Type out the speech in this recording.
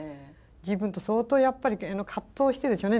自分と相当やっぱり葛藤してるでしょうね